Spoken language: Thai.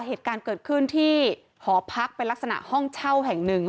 เหตุการณ์เกิดขึ้นที่หอพักเป็นลักษณะห้องเช่าแห่งหนึ่ง